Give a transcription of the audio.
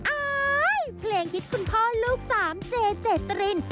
อายเพลงฮิตคุณพ่อลูกสามเจเจตริน